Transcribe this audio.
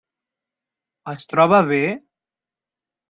Es troba bé?